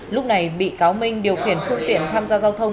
lúc này bị cáo minh điều khiển phương tiện tham gia giao thông